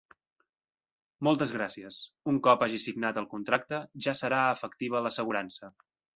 Moltes gràcies, un cop hagi signat el contracte ja serà efectiva l'assegurança.